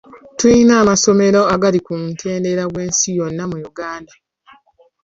Tulina amasomero agali ku mutendera gw'ensi yonna mu Uganda